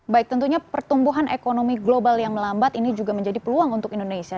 baik tentunya pertumbuhan ekonomi global yang melambat ini juga menjadi peluang untuk indonesia